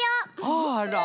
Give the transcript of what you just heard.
あら。